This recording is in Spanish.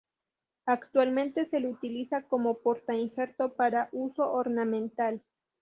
Actualmente se le utiliza como porta‐injerto para uso ornamental.